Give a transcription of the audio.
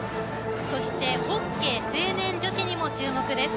そしてホッケー成年女子にも注目です。